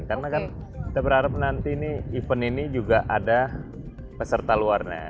karena kan kita berharap nanti ini event ini juga ada peserta luarnya